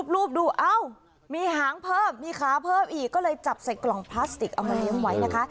รูปดูเอ้ามีหางเพิ่มมีขาเพิ่มอีกก็เลยจับใส่กล่องพลาสติกเอามาเลี้ยงไว้นะคะ